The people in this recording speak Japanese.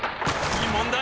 いい問題！